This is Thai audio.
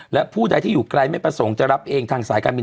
และผู้ใดที่อยู่ไกลไม่ประสงค์จะรับเองทางสายการบิน